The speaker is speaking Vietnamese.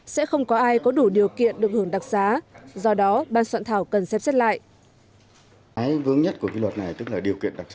sẽ không có ai có đủ điều kiện được hưởng đặc xá do đó ban soạn thảo cần xem xét lại